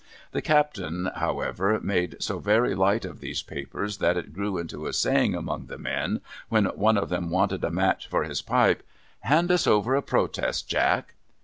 The Captain, however, made so very light of these papers, that it grew into a saying among the men, when one of them wanted a match for his pipe, ' Hand us over a Protest, Jack